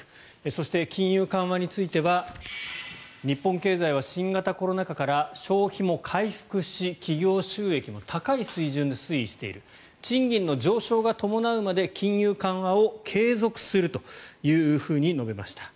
そして、金融緩和については日本経済は新型コロナ禍から消費も回復し、企業収益も高い水準で推移している賃金の上昇が伴うまで金融緩和を継続するというふうに述べました。